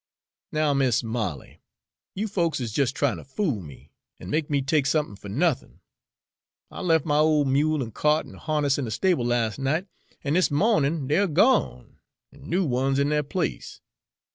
"Now, Mis' Molly! You folks is jes' tryin' ter fool me, an' make me take somethin' fer nuthin'. I lef' my ole mule an' kyart an' harness in de stable las' night, an' dis mawnin' dey 're gone, an' new ones in deir place.